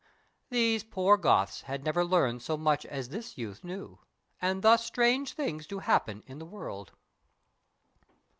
These poor Goths Had never learned so much as this youth knew. And thus strange things do happen in the world.